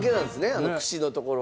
あの串のところ。